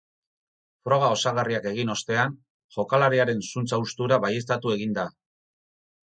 Froga osagarriak egin ostean, jokalariaren zuntz-haustura baieztatu egin da.